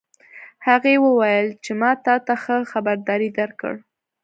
هغه وویل چې ما تا ته ښه خبرداری درکړ